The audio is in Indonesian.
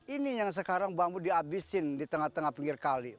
ini yang sekarang bambu dihabisin di tengah tengah pinggir kali